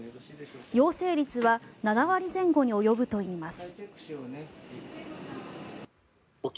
陽性率は７割前後に及ぶといいます。